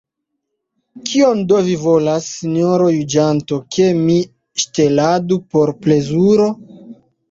Kion do vi volas, sinjoro juĝanto, ke mi ŝteladu por plezuro?